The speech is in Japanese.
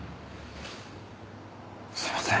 すいません。